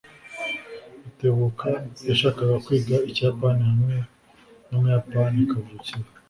Rutebuka yashakaga kwiga Ikiyapani hamwe n'umuyapani kavukire.